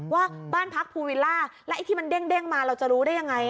ว่าบ้านพักภูวิลล่าแล้วไอ้ที่มันเด้งมาเราจะรู้ได้ยังไง